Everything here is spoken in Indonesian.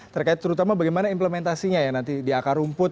terkait terutama bagaimana implementasinya ya nanti di akar rumput